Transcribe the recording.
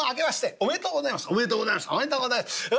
おめでとうございます。